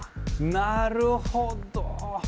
なるほど。